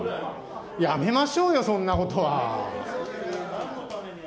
やめましょうよ、そんなことは。